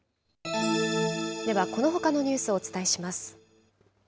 ではこのほかのニュースをお伝えします。